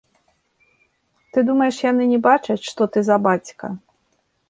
Ты думаеш, яны не бачаць, што ты за бацька?